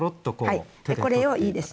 はいでこれをいいですね。